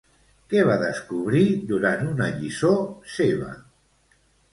Què va descobrir durant una lliçó seva?